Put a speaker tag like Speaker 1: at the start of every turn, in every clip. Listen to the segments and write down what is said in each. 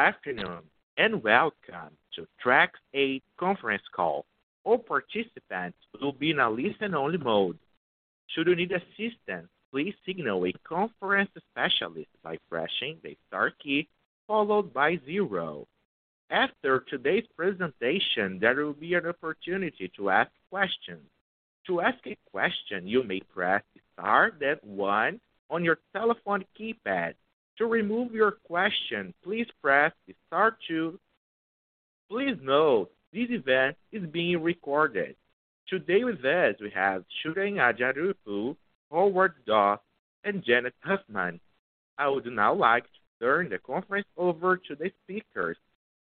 Speaker 1: Good afternoon, and welcome to TRxADE Health conference call. All participants will be in a listen-only mode. Should you need assistance, please signal a conference specialist by pressing the star key followed by zero. After today's presentation, there will be an opportunity to ask questions. To ask a question, you may press star then one on your telephone keypad. To remove your question, please press star two. Please note this event is being recorded. Today with us, we have Surendra Ajjarapu, Howard Doss, and Janet Huffman. I would now like to turn the conference over to the speakers.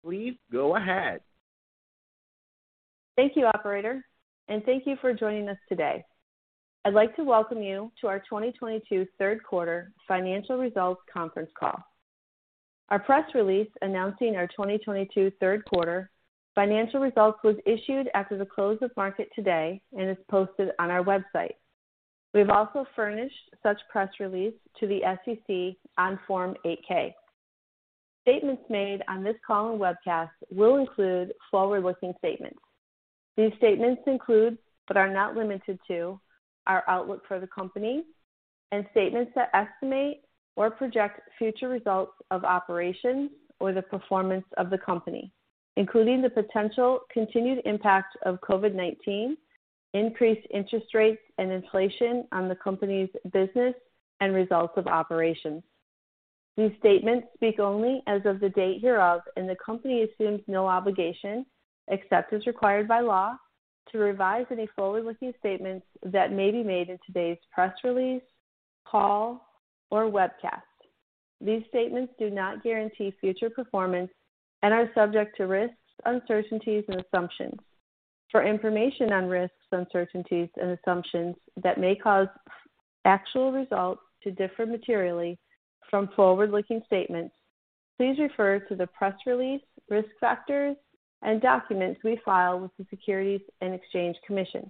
Speaker 1: Please go ahead.
Speaker 2: Thank you operator and thank you for joining us today. I'd like to welcome you to our 2022 Third Quarter Financial Results Conference Call. Our press release announcing our 2022 third quarter financial results was issued after the close of market today and is posted on our website. We've also furnished such press release to the SEC on Form 8-K. Statements made on this call and webcast will include forward-looking statements. These statements include, but are not limited to, our outlook for the company and statements that estimate or project future results of operations or the performance of the company, including the potential continued impact of COVID-19, increased interest rates and inflation on the company's business and results of operations. These statements speak only as of the date hereof, and the company assumes no obligation, except as required by law, to revise any forward-looking statements that may be made in today's press release, call, or webcast. These statements do not guarantee future performance and are subject to risks, uncertainties, and assumptions. For information on risks, uncertainties and assumptions that may cause actual results to differ materially from forward-looking statements, please refer to the press release, risk factors, and documents we file with the Securities and Exchange Commission.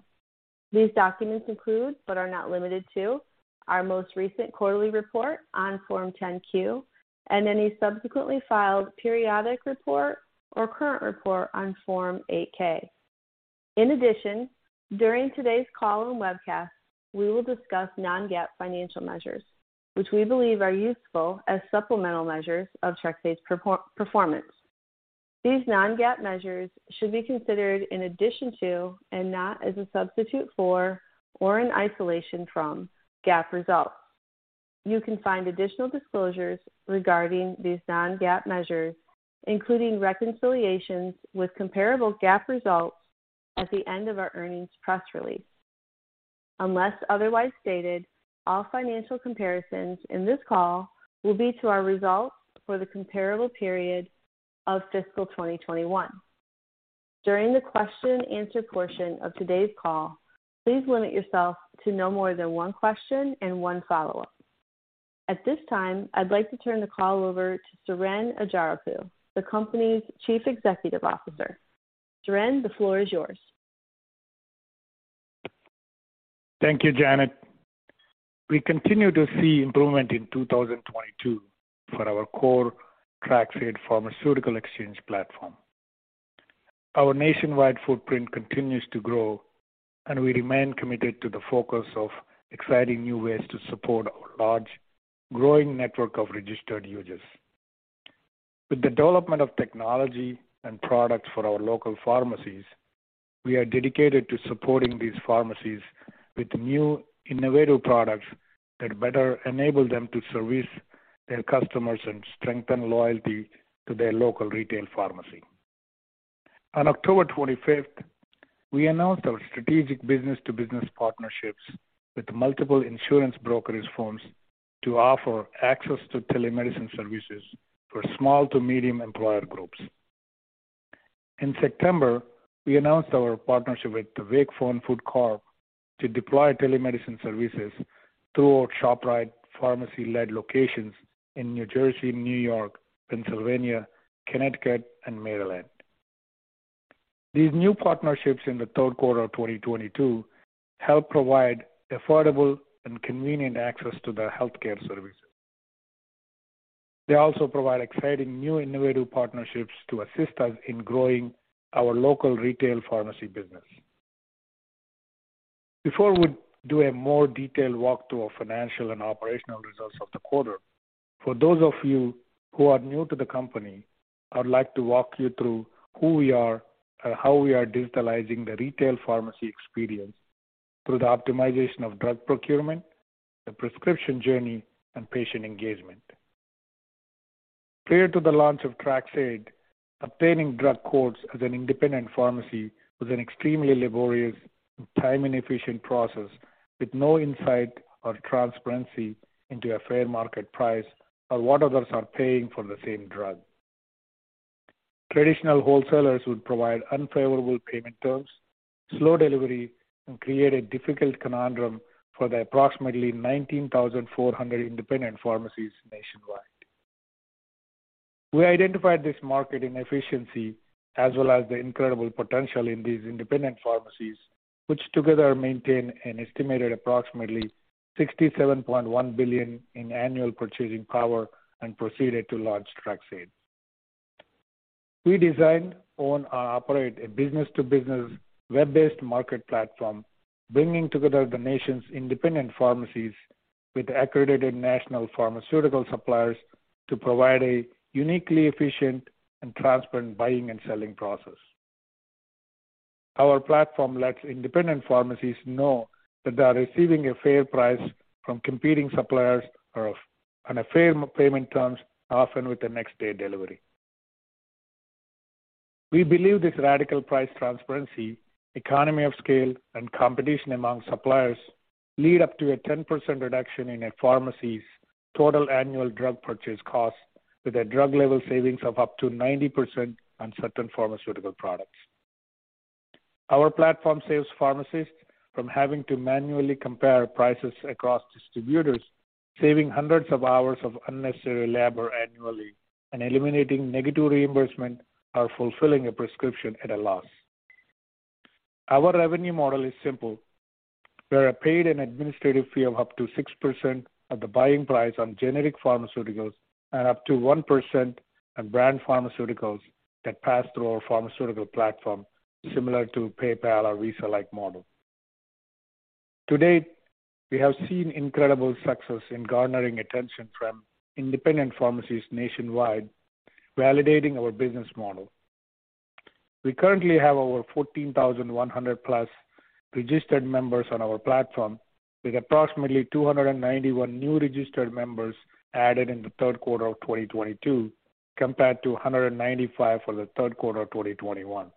Speaker 2: These documents include, but are not limited to, our most recent quarterly report on Form 10-Q and any subsequently filed periodic report or current report on Form 8-K. In addition, during today's call and webcast, we will discuss non-GAAP financial measures, which we believe are useful as supplemental measures of TRxADE's performance. These non-GAAP measures should be considered in addition to and not as a substitute for or an isolation from GAAP results. You can find additional disclosures regarding these non-GAAP measures, including reconciliations with comparable GAAP results at the end of our earnings press release. Unless otherwise stated, all financial comparisons in this call will be to our results for the comparable period of fiscal 2021. During the question and answer portion of today's call, please limit yourself to no more than one question and one follow-up. At this time, I'd like to turn the call over to Suren Ajjarapu, the company's Chief Executive Officer. Suren, the floor is yours.
Speaker 3: Thank you Janet. We continue to see improvement in 2022 for our core TRxADE pharmaceutical exchange platform. Our nationwide footprint continues to grow, and we remain committed to the focus of exciting new ways to support our large, growing network of registered users. With the development of technology and products for our local pharmacies, we are dedicated to supporting these pharmacies with new, innovative products that better enable them to service their customers and strengthen loyalty to their local retail pharmacy. On October 25, we announced our strategic business-to-business partnerships with multiple insurance brokerage firms to offer access to telemedicine services for small to medium employer groups. In September, we announced our partnership with Wakefern Food Corp to deploy telemedicine services to our ShopRite pharmacy-led locations in New Jersey, New York, Pennsylvania, Connecticut, and Maryland. These new partnerships in the third quarter of 2022 help provide affordable and convenient access to their healthcare services. They also provide exciting new innovative partnerships to assist us in growing our local retail pharmacy business. Before we do a more detailed walkthrough of financial and operational results of the quarter, for those of you who are new to the company, I would like to walk you through who we are and how we are digitalizing the retail pharmacy experience through the optimization of drug procurement, the prescription journey, and patient engagement. Prior to the launch of TRxADE, obtaining drug quotes as an independent pharmacy was an extremely laborious and time-inefficient process with no insight or transparency into a fair market price or what others are paying for the same drug. Traditional wholesalers would provide unfavorable payment terms, slow delivery, and create a difficult conundrum for the approximately 19,400 independent pharmacies nationwide. We identified this market inefficiency as well as the incredible potential in these independent pharmacies, which together maintain an estimated approximately $67.1 billion in annual purchasing power and proceeded to launch TRxADE. We design, own, and operate a business to business web-based market platform, bringing together the nation's independent pharmacies with accredited national pharmaceutical suppliers to provide a uniquely efficient and transparent buying and selling process. Our platform lets independent pharmacies know that they are receiving a fair price from competing suppliers or on a fair payment terms, often with the next day delivery. We believe this radical price transparency, economy of scale, and competition among suppliers lead up to a 10% reduction in a pharmacy's total annual drug purchase costs, with a drug level savings of up to 90% on certain pharmaceutical products. Our platform saves pharmacists from having to manually compare prices across distributors, saving hundreds of hours of unnecessary labor annually and eliminating negative reimbursement or fulfilling a prescription at a loss. Our revenue model is simple. We earn an administrative fee of up to 6% of the buying price on generic pharmaceuticals and up to 1% on brand pharmaceuticals that pass through our pharmaceutical platform, similar to PayPal or Visa-like model. To date, we have seen incredible success in garnering attention from independent pharmacies nationwide, validating our business model. We currently have over 14,100+ registered members on our platform, with approximately 291 new registered members added in the third quarter of 2022, compared to 195 for the third quarter of 2021.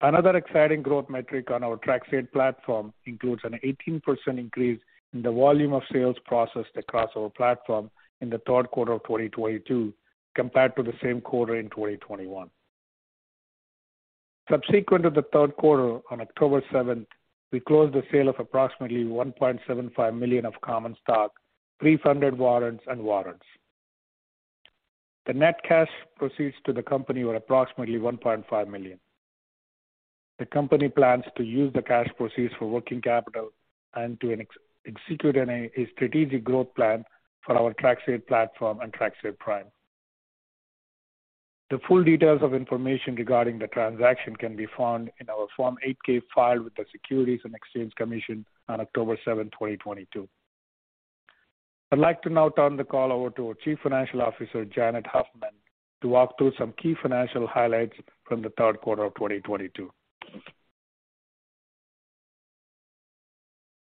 Speaker 3: Another exciting growth metric on our TRxADE platform includes an 18% increase in the volume of sales processed across our platform in the third quarter of 2022 compared to the same quarter in 2021. Subsequent to the third quarter, on October 7th, we closed the sale of approximately $1.75 million of common stock, pre-funded warrants and warrants. The net cash proceeds to the company were approximately $1.5 million. The company plans to use the cash proceeds for working capital and to execute a strategic growth plan for our TRxADE platform and TRxADE Prime. The full details of information regarding the transaction can be found in our Form 8-K filed with the Securities and Exchange Commission on October 7, 2022. I'd like to now turn the call over to our Chief Financial Officer, Janet Huffman, to walk through some key financial highlights from the third quarter of 2022.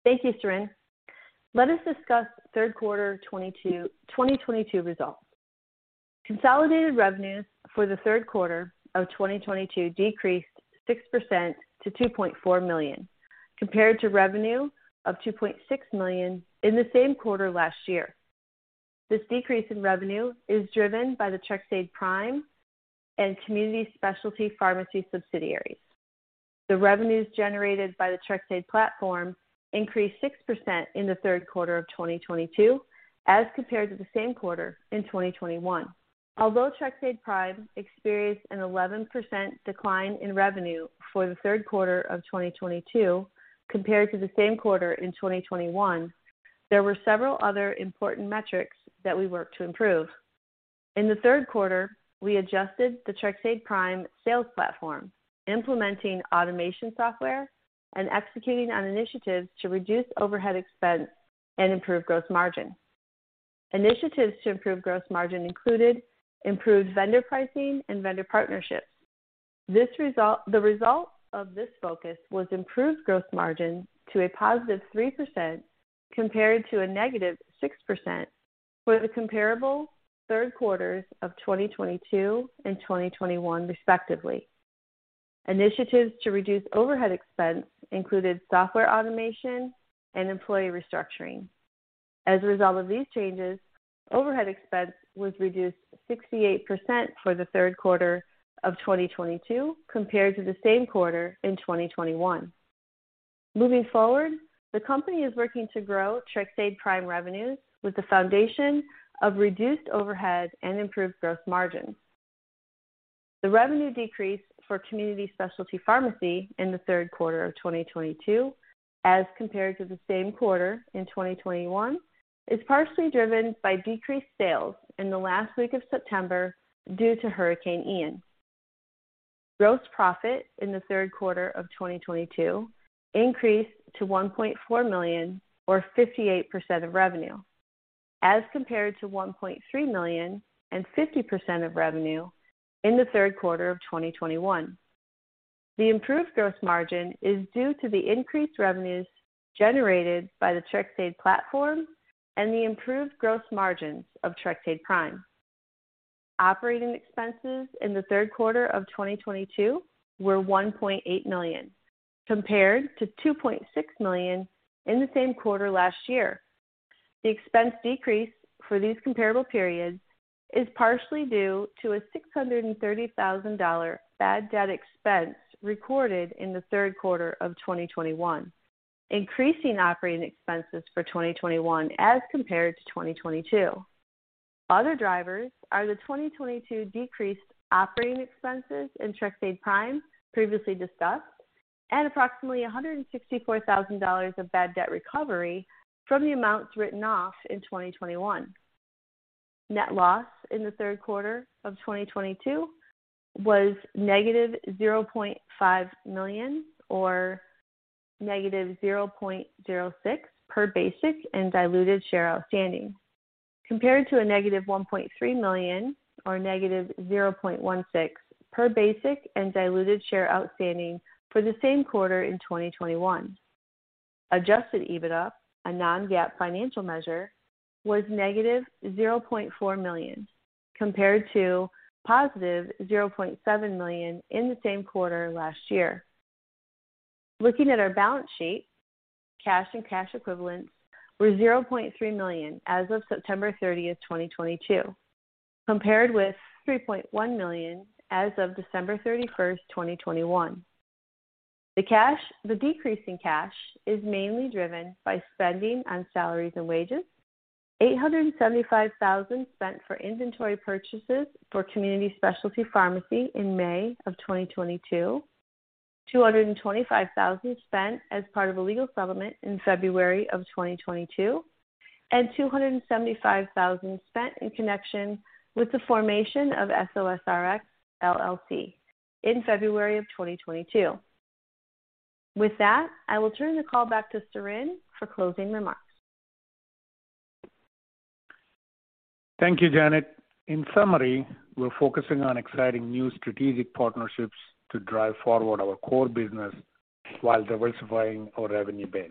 Speaker 2: Thank you Suren. Let us discuss third quarter 2022 results. Consolidated revenues for the third quarter of 2022 decreased 6% to $2.4 million, compared to revenue of $2.6 million in the same quarter last year. This decrease in revenue is driven by the TRxADE Prime and Community Specialty Pharmacy subsidiaries. The revenues generated by the TRxADE platform increased 6% in the third quarter of 2022 as compared to the same quarter in 2021. Although TRxADE Prime experienced an 11% decline in revenue for the third quarter of 2022 compared to the same quarter in 2021, there were several other important metrics that we worked to improve. In the third quarter, we adjusted the TRxADE Prime sales platform, implementing automation software and executing on initiatives to reduce overhead expense and improve gross margin. Initiatives to improve gross margin included improved vendor pricing and vendor partnerships. The result of this focus was improved gross margin to a positive 3% compared to a negative 6% for the comparable third quarters of 2022 and 2021 respectively. Initiatives to reduce overhead expense included software automation and employee restructuring. As a result of these changes, overhead expense was reduced 68% for the third quarter of 2022 compared to the same quarter in 2021. Moving forward, the company is working to grow TRxADE Prime revenues with the foundation of reduced overhead and improved gross margin. The revenue decrease for Community Specialty Pharmacy in the third quarter of 2022, as compared to the same quarter in 2021, is partially driven by decreased sales in the last week of September due to Hurricane Ian. Gross profit in the third quarter of 2022 increased to $1.4 million or 58% of revenue, as compared to $1.3 million and 50% of revenue in the third quarter of 2021. The improved gross margin is due to the increased revenues generated by the TRxADE platform and the improved gross margins of TRxADE Prime. Operating expenses in the third quarter of 2022 were $1.8 million, compared to $2.6 million in the same quarter last year. The expense decrease for these comparable periods is partially due to a $630,000 bad debt expense recorded in the third quarter of 2021, increasing operating expenses for 2021 as compared to 2022. Other drivers are the 2022 decreased operating expenses in TRxADE Prime previously discussed, and approximately $164,000 of bad debt recovery from the amounts written off in 2021. Net loss in the third quarter of 2022 was -$0.5 million or -$0.06 per basic and diluted share outstanding, compared to a -$1.3 million or -$0.16 per basic and diluted share outstanding for the same quarter in 2021. Adjusted EBITDA, a non-GAAP financial measure, was negative $0.4 million, compared to positive $0.7 million in the same quarter last year. Looking at our balance sheet, cash and cash equivalents were $0.3 million as of September 30, 2022, compared with $3.1 million as of December 31, 2021. The decrease in cash is mainly driven by spending on salaries and wages, $875,000 spent for inventory purchases for Community Specialty Pharmacy in May 2022, $225,000 spent as part of a legal settlement in February 2022, and $275,000 spent in connection with the formation of SOSRx LLC in February 2022. With that, I will turn the call back to Suren for closing remarks.
Speaker 3: Thank you Janet. In summary, we're focusing on exciting new strategic partnerships to drive forward our core business while diversifying our revenue base.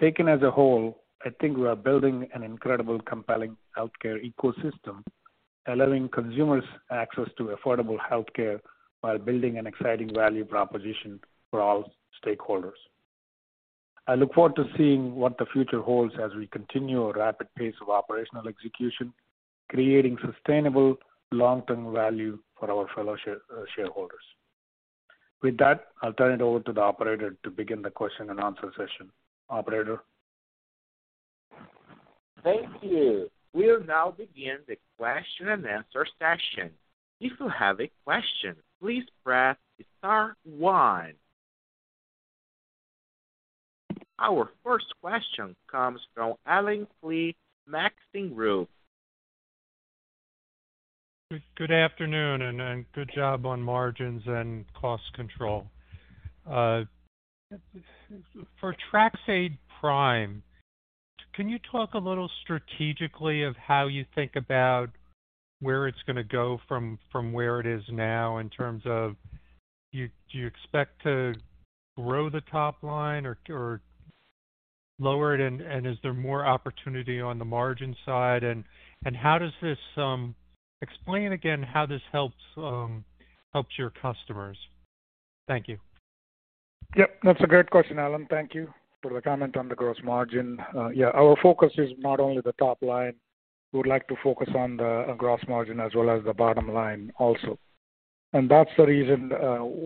Speaker 3: Taken as a whole, I think we are building an incredible, compelling healthcare ecosystem, allowing consumers access to affordable healthcare while building an exciting value proposition for all stakeholders. I look forward to seeing what the future holds as we continue our rapid pace of operational execution, creating sustainable long-term value for our fellow shareholders. With that, I'll turn it over to the operator to begin the question and answer session. Operator?
Speaker 1: Thank you. We'll now begin the question and answer session. If you have a question, please press star one. Our first question comes from Allen Klee, Maxim Group.
Speaker 4: Good afternoon, good job on margins and cost control. For TRxADE Prime, can you talk a little strategically about how you think about where it's gonna go from where it is now in terms of you, do you expect to grow the top line or lower it and is there more opportunity on the margin side? How does this explain again how this helps your customers. Thank you.
Speaker 3: Yep, that's a great question Allen Klee. Thank you for the comment on the gross margin. Yeah, our focus is not only the top line. We would like to focus on the gross margin as well as the bottom line also. That's the reason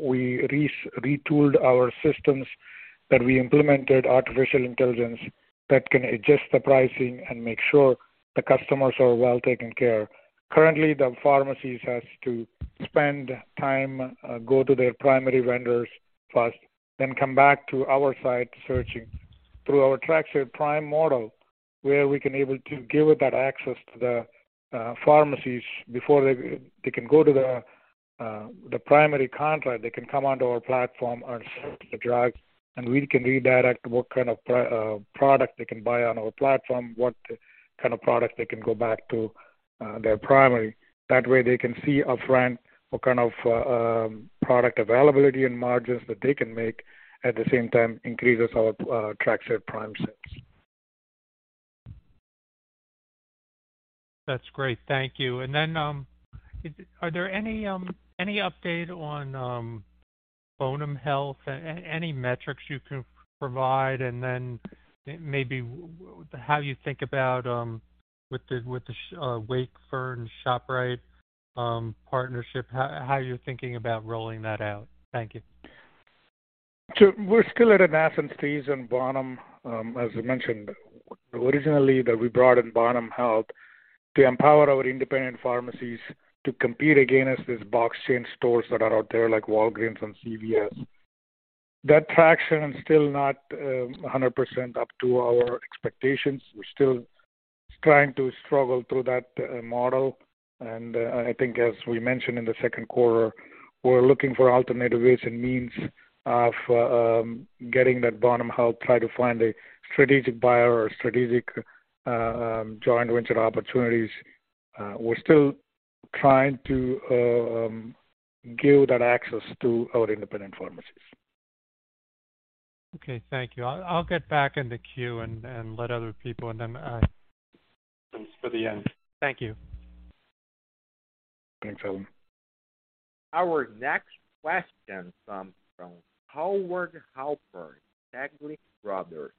Speaker 3: we retooled our systems, that we implemented artificial intelligence that can adjust the pricing and make sure the customers are well taken care. Currently, the pharmacies has to spend time, go to their primary vendors first, then come back to our site searching. Through our TRxADE Prime model, where we can able to give that access to the pharmacies before they can go to the primary contract, they can come onto our platform and search the drugs, and we can redirect what kind of product they can buy on our platform, what kind of product they can go back to their primary. That way they can see upfront what kind of product availability and margins that they can make. At the same time, increases our TRxADE Prime sales.
Speaker 4: That's great. Thank you. Is there any update on Bonum Health? Any metrics you can provide? Maybe how you think about, with the Wakefern, ShopRite partnership, how you're thinking about rolling that out. Thank you.
Speaker 3: We're still at a nascent stage in Bonum, as you mentioned. Originally that we brought in Bonum Health to empower our independent pharmacies to compete against these big box chain stores that are out there like Walgreens and CVS. That traction is still not 100% up to our expectations. We're still trying to struggle through that model. I think as we mentioned in the second quarter, we're looking for alternative ways and means of getting that Bonum Health, try to find a strategic buyer or strategic joint venture opportunities. We're still trying to give that access to our independent pharmacies.
Speaker 4: Okay. Thank you. I'll get back in the queue and let other people and then ask questions for the end. Thank you.
Speaker 3: Thanks Allen Klee.
Speaker 1: Our next question comes from Howard Halpern, Taglich Brothers.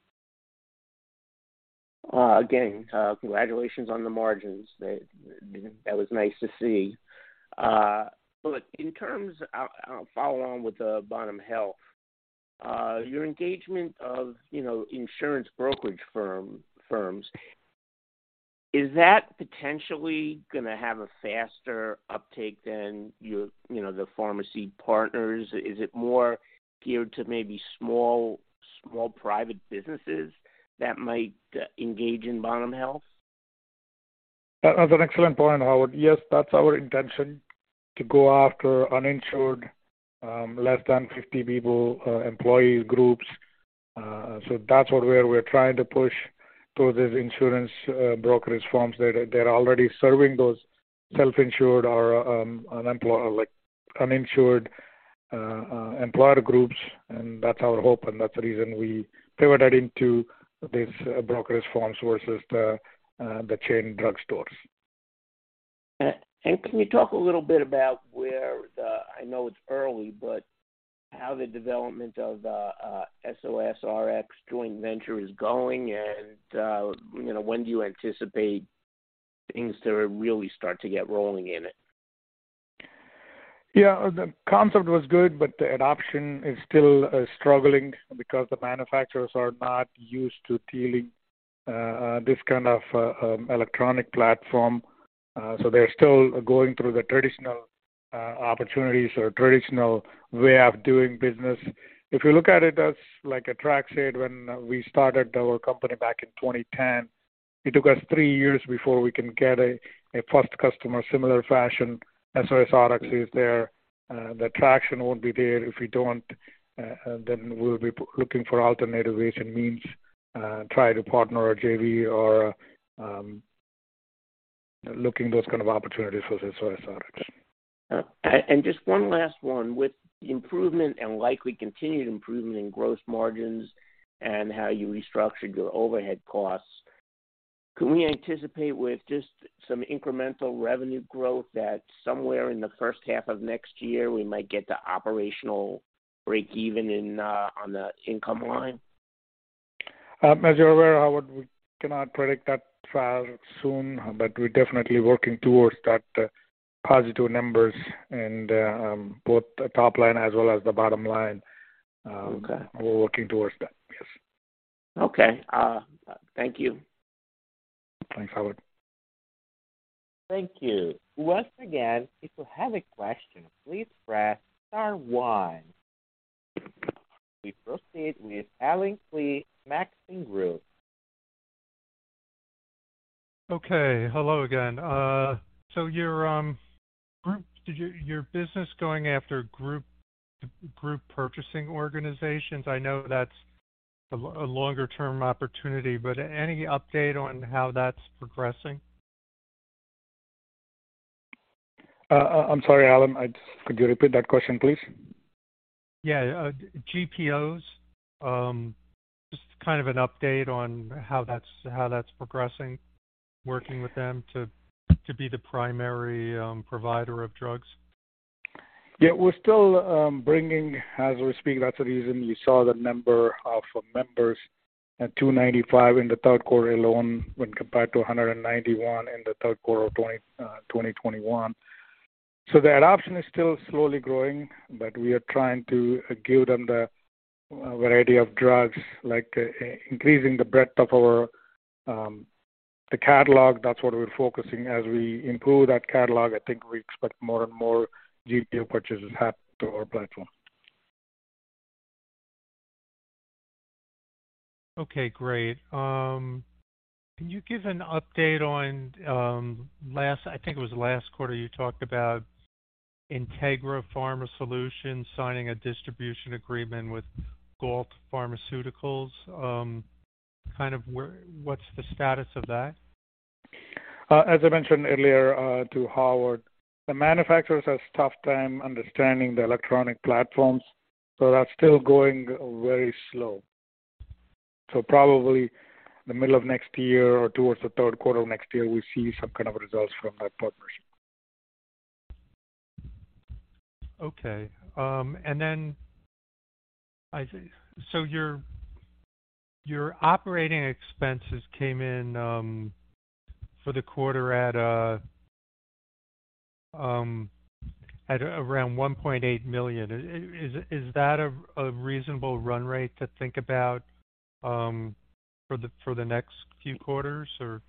Speaker 5: Again, congratulations on the margins. That was nice to see. In terms, I'll follow on with Bonum Health. Your engagement of, you know, insurance brokerage firms, is that potentially gonna have a faster uptake than your, you know, the pharmacy partners? Is it more geared to maybe small private businesses that might engage in Bonum Health?
Speaker 3: That, that's an excellent point Howard. Yes, that's our intention to go after uninsured, less than 50 people, employee groups. So that's what we're trying to push through these insurance brokerage firms. They're already serving those self-insured or uninsured employer groups, and that's our hope. That's the reason we pivoted into this brokerage firm versus the chain drugstores.
Speaker 5: Can you talk a little bit about where I know it's early, but how the development of SOSRx joint venture is going and you know when do you anticipate things to really start to get rolling in it?
Speaker 3: Yeah. The concept was good, but the adoption is still struggling because the manufacturers are not used to dealing this kind of electronic platform. They're still going through the traditional opportunities or traditional way of doing business. If you look at it as like TRxADE when we started our company back in 2010, it took us three years before we can get a first customer similar fashion. SOSRx is there. The traction won't be there if we don't, then we'll be looking for alternative acquisition means, try to partner a JV or looking those kind of opportunities with SOSRx.
Speaker 5: Just one last one. With improvement and likely continued improvement in gross margins and how you restructured your overhead costs, can we anticipate with just some incremental revenue growth that somewhere in the H1 of next year we might get to operational break even in on the income line?
Speaker 3: As you're aware, Howard, we cannot predict that filing soon, but we're definitely working towards that, positive numbers and both the top line as well as the bottom line.
Speaker 5: Okay.
Speaker 3: We're working towards that. Yes.
Speaker 5: Okay. Thank you.
Speaker 3: Thanks Howard.
Speaker 6: Thank you. Once again, if you have a question, please press star one. We proceed with Allen Klee, Maxim Group.
Speaker 4: Okay. Hello again. You're going after group purchasing organizations. I know that's a longer-term opportunity, but any update on how that's progressing?
Speaker 3: I'm sorry Allen. Could you repeat that question, please?
Speaker 4: Yeah. GPOs, just kind of an update on how that's progressing, working with them to be the primary provider of drugs.
Speaker 3: Yeah. We're still bringing as we speak. That's the reason you saw the number of members at 295 in the third quarter alone when compared to 191 in the third quarter of 2021. The adoption is still slowly growing, but we are trying to give them the variety of drugs, like increasing the breadth of our catalog. That's what we're focusing. As we improve that catalog, I think we expect more and more GPO purchases to happen to our platform.
Speaker 4: Okay, great. Can you give an update on, I think it was last quarter you talked about Integra Pharma Solutions signing a distribution agreement with Galt Pharmaceuticals. Kind of, what's the status of that?
Speaker 3: As I mentioned earlier, to Howard, the manufacturers has tough time understanding the electronic platforms, so that's still going very slow. Probably the middle of next year or towards the third quarter of next year, we'll see some kind of results from that partnership.
Speaker 4: Okay. I think your operating expenses came in for the quarter at around $1.8 million. Is that a reasonable run rate to think about for the next few quarters or?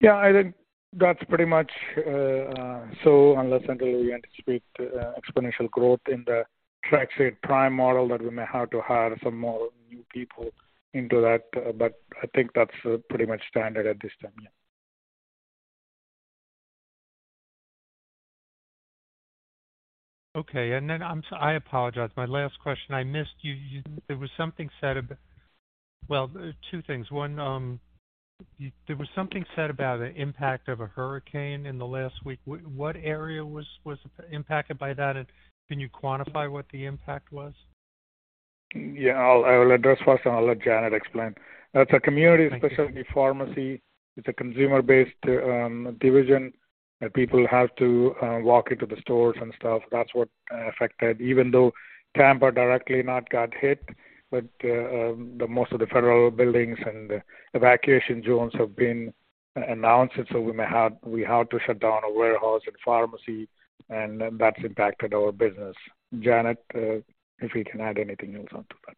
Speaker 3: Yeah, I think that's pretty much unless or until we anticipate exponential growth in the TRxADE Prime model that we may have to hire some more new people into that. I think that's pretty much standard at this time. Yeah.
Speaker 4: Okay. I apologize, my last question, I missed you. Well, two things. One, there was something said about an impact of a hurricane in the last week. What area was impacted by that? And can you quantify what the impact was?
Speaker 3: Yeah. I will address first, then I'll let Janet explain.
Speaker 4: Thank you.
Speaker 3: That's a Community Specialty Pharmacy. It's a consumer-based division that people have to walk into the stores and stuff. That's what affected. Even though Tampa directly not got hit, but the most of the federal buildings and evacuation zones have been announced, so we had to shut down a warehouse and pharmacy, and that's impacted our business. Janet, if you can add anything else on to that.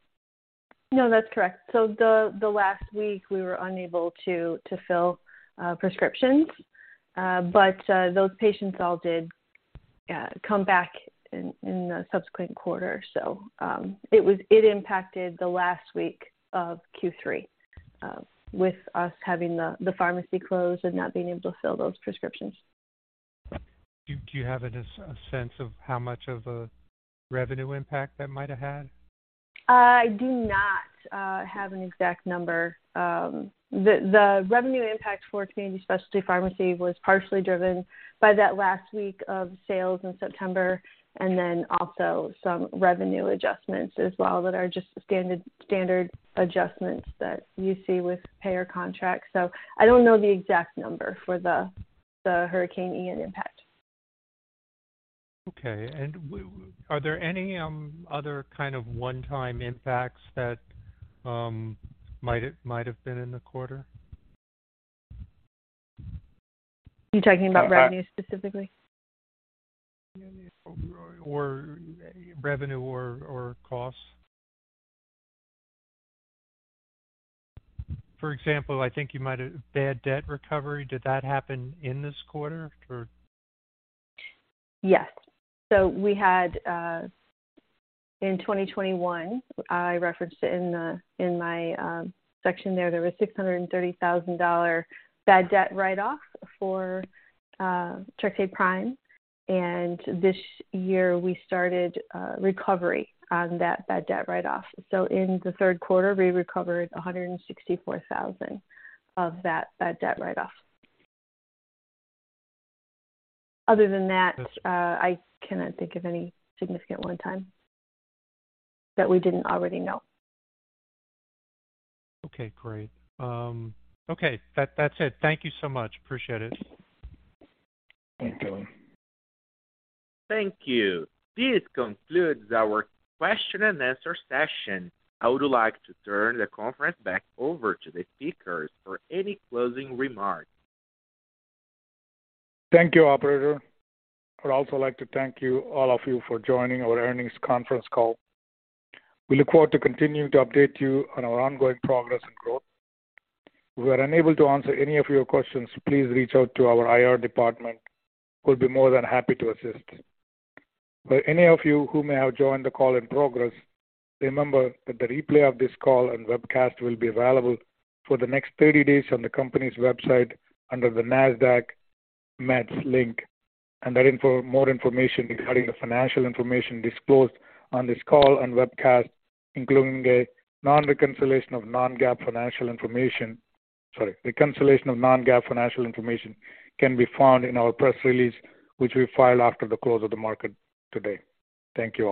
Speaker 2: No, that's correct. The last week we were unable to fill prescriptions, but those patients all did come back in the subsequent quarter. It impacted the last week of Q3, with us having the pharmacy closed and not being able to fill those prescriptions.
Speaker 4: Do you have a sense of how much of a revenue impact that might have had?
Speaker 2: I do not have an exact number. The revenue impact for Community Specialty Pharmacy was partially driven by that last week of sales in September, and then also some revenue adjustments as well that are just standard adjustments that you see with payer contracts. I don't know the exact number for the Hurricane Ian impact.
Speaker 4: Okay. Are there any other kind of one-time impacts that might have been in the quarter?
Speaker 2: You talking about revenue specifically?
Speaker 4: Revenue or costs. For example, I think you might have bad debt recovery. Did that happen in this quarter or?
Speaker 2: Yes. We had in 2021, I referenced it in my section there was $630,000 bad debt write-off for TRxADE Prime. This year we started recovery on that bad debt write-off. In the third quarter, we recovered $164,000 of that bad debt write-off. Other than that.
Speaker 4: Okay.
Speaker 2: I cannot think of any significant one time that we didn't already know.
Speaker 4: Okay, great. Okay. That's it. Thank you so much. Appreciate it.
Speaker 3: Thank you.
Speaker 1: Thank you. This concludes our question and answer session. I would like to turn the conference back over to the speakers for any closing remarks.
Speaker 3: Thank you, operator. I'd also like to thank you, all of you for joining our earnings conference call. We look forward to continuing to update you on our ongoing progress and growth. If we are unable to answer any of your questions, please reach out to our IR department, we'll be more than happy to assist. For any of you who may have joined the call in progress, remember that the replay of this call and webcast will be available for the next 30 days on the company's website under the Nasdaq MEDS link. More information regarding the financial information disclosed on this call and webcast, including a reconciliation of non-GAAP financial information, can be found in our press release, which we filed after the close of the market today. Thank you.